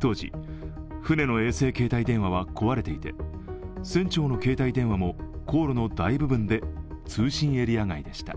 当時、船の衛星携帯電話は壊れていて船長の携帯電話も航路の大部分で通信エリア外でした。